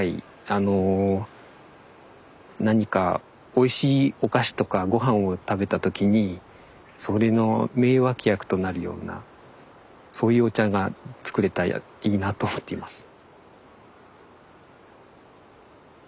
あの何かおいしいお菓子とかごはんを食べた時にそれの名脇役となるようなそういうお茶が作れたらいいなと思っています。